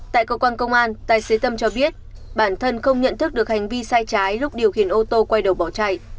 tại cơ quan công an tài xế tâm cho biết bản thân không nhận thức được hành vi sai trái lúc điều khiển ô tô quay đầu bỏ chạy